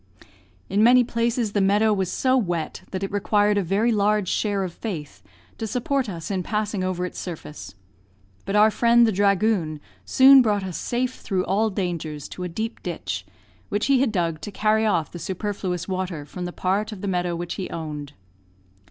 In many places the meadow was so wet that it required a very large share of faith to support us in passing over its surface; but our friend, the dragoon, soon brought us safe through all dangers to a deep ditch, which he had dug to carry off the superfluous water from the part of the meadow which he owned.